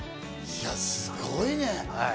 いや、すごいね。